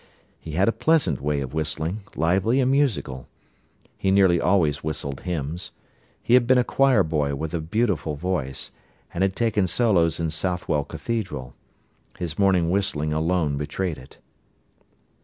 He had a pleasant way of whistling, lively and musical. He nearly always whistled hymns. He had been a choir boy with a beautiful voice, and had taken solos in Southwell cathedral. His morning whistling alone betrayed it.